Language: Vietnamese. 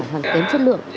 hàng kén chất lượng